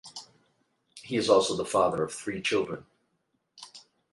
He is also the father of three children.